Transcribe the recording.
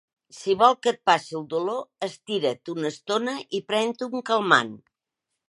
Si vol que et passi el dolor, estira't una estona i pren-te un calmant.